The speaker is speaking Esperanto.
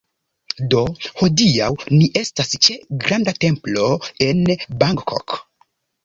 Do hodiaŭ ni estas ĉe granda templo en Bangkok